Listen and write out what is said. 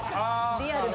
リアルな。